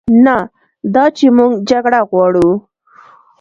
نه دا چې موږ جګړه غواړو،